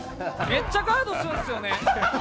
めっちゃガードするんすよね。